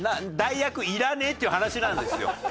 代役いらねえっていう話なんですよ。